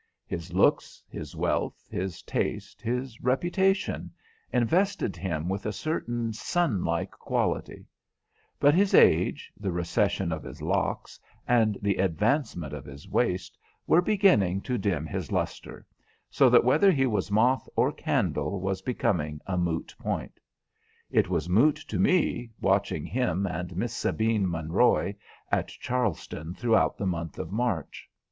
His looks, his wealth, his taste, his reputation, invested him with a certain sun like quality; but his age, the recession of his locks, and the advancement of his waist were beginning to dim his lustre, so that whether he was moth or candle was becoming a moot point. It was moot to me, watching him and Miss Sabine Monroy at Charleston throughout the month of March.